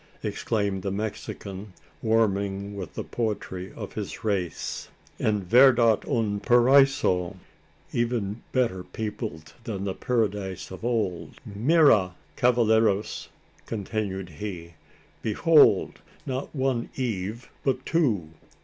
exclaimed the Mexican, warming with the poetry of his race. "En verdad un Paraiso! Even better peopled than the Paradise of old. Mira! cavalleros!" continued he. "Behold! not one Eve, but two!